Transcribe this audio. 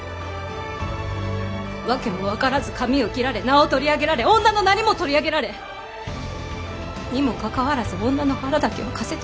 わけも分からず髪を切られ名を取り上げられ女のなりも取り上げられにもかかわらず女の腹だけは貸せという。